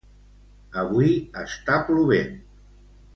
avui està plovent